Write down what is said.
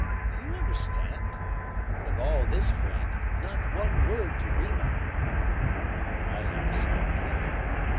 Do you understand? But of all this, friend, not one word to Rima!" I laughed scornfully.